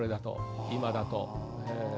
今だと。